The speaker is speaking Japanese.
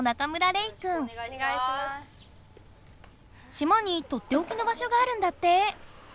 島にとっておきの場所があるんだって。